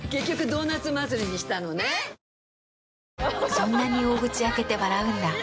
そんなに大口開けて笑うんだ。